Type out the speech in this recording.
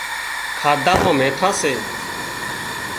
کاڌا مان نيٺان سي